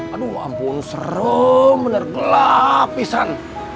aduh ampun serem bener gelap pisan